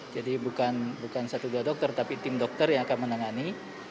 jadi bukan satu dua dokter tapi tim dokter yang akan menangani